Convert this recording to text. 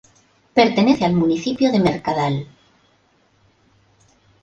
Pertenece al municipio de es Mercadal.